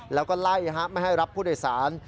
แล้วก็ไล่ไม่ให้รับผู้โดยสาร